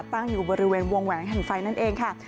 ตั้งอยู่บริเวณวงแหวนแห่งไฟนั่นเองค่ะ